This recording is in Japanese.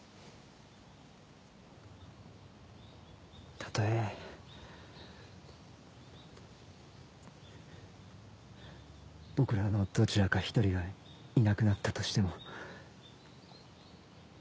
たとえ僕らのどちらか一人がいなくなったとしても。